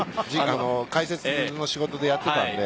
解説の仕事でやってたので。